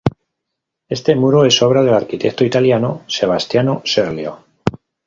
Este muro es obra del arquitecto italiano Sebastiano Serlio.